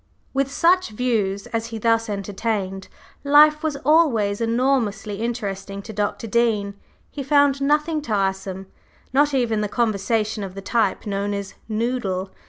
With such views as he thus entertained, life was always enormously interesting to Dr. Dean he found nothing tiresome, not even the conversation of the type known as Noodle.